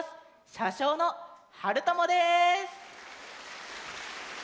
しゃしょうのはるともです。